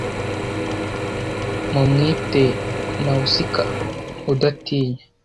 Mumwite Nausicaa , udatinya